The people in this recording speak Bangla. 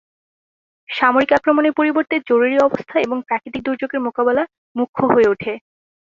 সামরিক আক্রমণের পরিবর্তে জরুরি অবস্থা এবং প্রাকৃতিক দুর্যোগের মোকাবেলা মুখ্য হয়ে ওঠে।